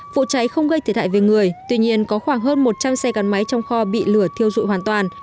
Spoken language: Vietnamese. vụ cháy không gây thiệt hại về người tuy nhiên có khoảng hơn một trăm linh xe gắn máy trong kho bị lửa thiêu dụi hoàn toàn